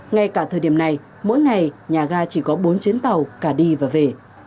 ngay cả thời điểm này mỗi ngày nhà ga chỉ có bốn chuyến tàu cả đi và về